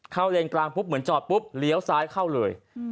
เลนกลางปุ๊บเหมือนจอดปุ๊บเลี้ยวซ้ายเข้าเลย